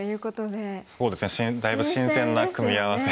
そうですねだいぶ新鮮な組み合わせ。